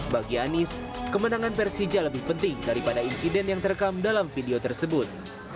bagi anies kemenangan persija lebih penting daripada insiden yang terekam dalam video tersebut